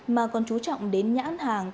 mà còn chú trọng đến nhãn hàng